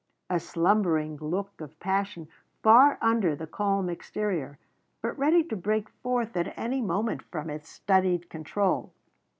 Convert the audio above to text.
A slumbering look of passion far under the calm exterior, but ready to break forth at any moment from its studied control.